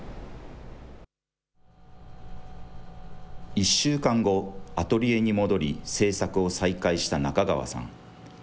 １週間後、アトリエに戻り、制作を再開した中川さん。